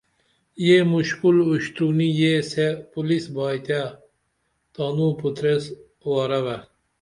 یہ مُشکل اُشترونی یس یے پولیس بائیتائی تانو پُتریس وارہ وے